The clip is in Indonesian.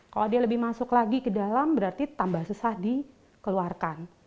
kalau dia lebih masuk lagi ke dalam berarti tambah susah dikeluarkan